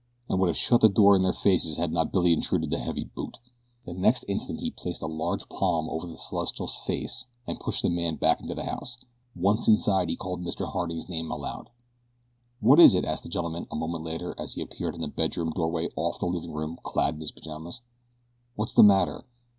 and would have shut the door in their faces had not Billy intruded a heavy boot. The next instant he placed a large palm over the celestial's face and pushed the man back into the house. Once inside he called Mr. Harding's name aloud. "What is it?" asked the gentleman a moment later as he appeared in a bedroom doorway off the living room clad in his pajamas. "What's the matter?